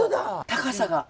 高さが。